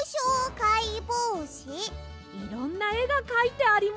いろんなえがかいてあります。